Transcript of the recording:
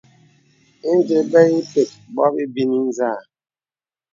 Indē bə̀ ǐ pə̀k bɔ bɔbini zâ.